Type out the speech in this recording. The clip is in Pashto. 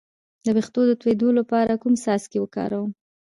د ویښتو د تویدو لپاره کوم څاڅکي وکاروم؟